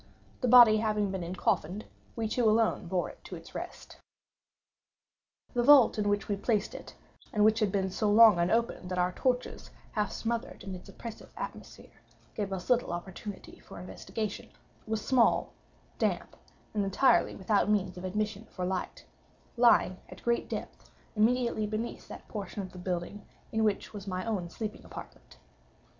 The body having been encoffined, we two alone bore it to its rest. The vault in which we placed it (and which had been so long unopened that our torches, half smothered in its oppressive atmosphere, gave us little opportunity for investigation) was small, damp, and entirely without means of admission for light; lying, at great depth, immediately beneath that portion of the building in which was my own sleeping apartment.